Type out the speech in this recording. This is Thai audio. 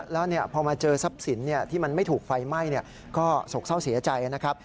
แล้วพอมาเจอทรัพย์สินที่มันไม่ถูกไฟไหม้ก็โศกเศร้าเสียใจนะครับ